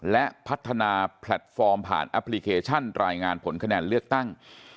และพัฒนาแพลตฟอร์มผ่านแอปพลิเคชันรายงานผลคะแนนเลือกตั้ง